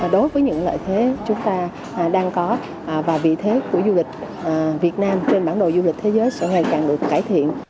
đối với những lợi thế chúng ta đang có và vị thế của du lịch việt nam trên bản đồ du lịch thế giới sẽ ngày càng được cải thiện